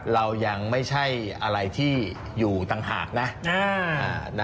เรายังไม่ใช่อะไรที่อยู่ต่างหากนะ